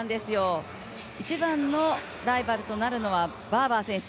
一番のライバルとなるのは、バーバー選手。